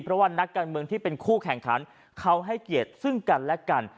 เพราะว่านักการเมืองที่เป็นคู่แข่งขันเขาให้เกียรติซึ่งกันและกัน